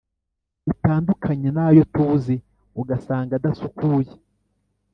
bitandukanye nayo tuzi ugasanga adasukuye.